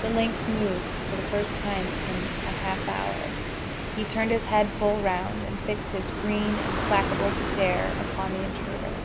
The lynx moved, for the first time in a half hour. He turned his head full round, and fixed his green, implacable stare upon the intruder.